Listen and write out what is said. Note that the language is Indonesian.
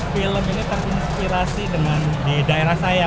film ini terinspirasi dengan di daerah saya